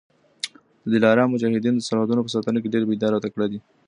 د دلارام مجاهدین د سرحدونو په ساتنه کي ډېر بېداره او تکړه دي.